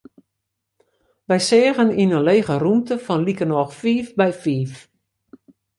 Wy seagen yn in lege rûmte fan likernôch fiif by fiif.